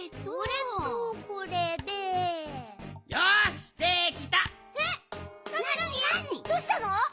どうしたの？